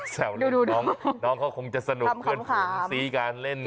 แต่บอกเลยไม่ง่าย